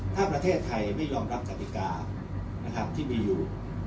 ถ้าประเทศไทยไม่ยอมรับกติกาที่มีอยู่